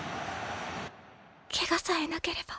ケガさえなければ。